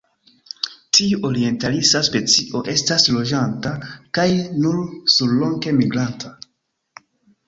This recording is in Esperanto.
Tiu orientalisa specio estas loĝanta kaj nur surloke migranta.